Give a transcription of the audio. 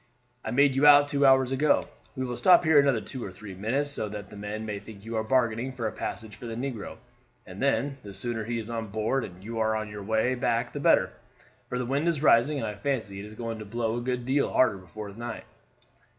I made you out two hours ago. We will stop here another two or three minutes so that the men may think you are bargaining for a passage for the negro, and then the sooner he is on board and you are on your way back the better, for the wind is rising, and I fancy it is going to blow a good deal harder before night."